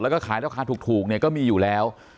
แล้วก็ขายราคาถูกเนี่ยก็มีอยู่แล้ว